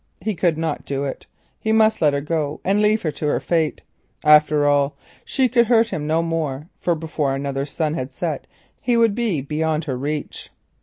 He could not do it. He must let her go, and leave her to fate. After all, she could hurt him no more, for before another sun had set he would be beyond her reach.